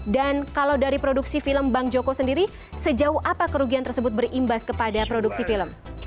dan kalau dari produksi film bang joko sendiri sejauh apa kerugian tersebut berimbas kepada produksi film